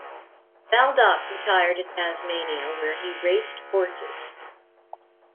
Baldock retired to Tasmania where he raced horses.